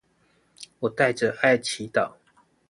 我帶著愛祈禱